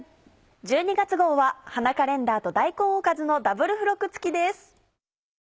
１２月号は「花カレンダー」と「大根おかず」のダブル付録付きです。